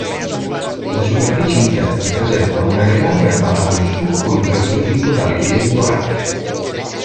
Le superfici interne presentano un elegante apparato in stucco impreziosito da rilievi dorati.